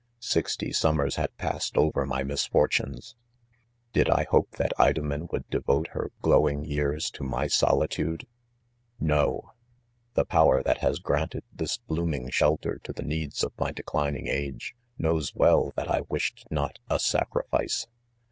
Sixty sum mers bad' passed over my misfortunes. Bid 1 hope that Idomen would devote her glowing years to my solitude %— No I The power that lias granted tMs blooming shelter to the needs of my declining age, knows well that I wished. not a sacrifice.